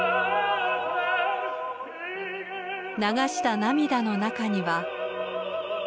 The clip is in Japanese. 流した涙の中には。